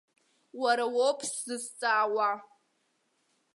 Уара уоуп сзызҵаауа.